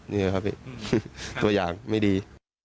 เนอะวะอย่างไม่ดี